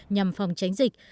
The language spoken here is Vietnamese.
nhằm phòng tránh dịch